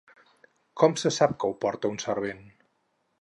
Com se sap que ho porta un servent?